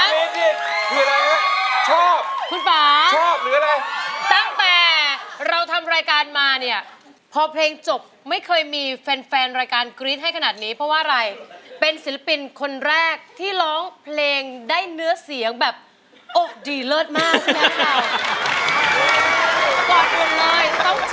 เพลงที่ชอบคุณป่าชอบหรืออะไรตั้งแต่เราทำรายการมาเนี่ยพอเพลงจบไม่เคยมีแฟนแฟนรายการกรี๊ดให้ขนาดนี้เพราะว่าอะไรเป็นศิลปินคนแรกที่ร้องเพลงได้เนื้อเสียงแบบอกดีเลิศมากนะคะ